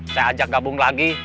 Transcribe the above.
saya ajak gabung lagi